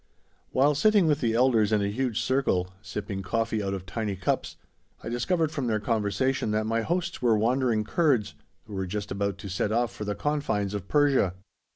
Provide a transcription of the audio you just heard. While sitting with the elders in a huge circle, sipping coffee out of tiny cups, I discovered from their conversation that my hosts were wandering Kurds, who were just about to set off for the confines of Persia.